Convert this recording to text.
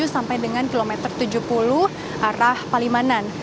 dua puluh tujuh sampai dengan kilometer tujuh puluh arah palimanan